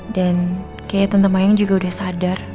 dan kayaknya tante mayang juga udah sadar